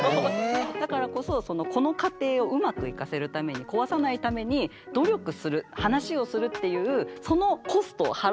だからこそこの家庭をうまくいかせるために壊さないために努力する話をするっていうそのコストを払えない人とは無理なんだって。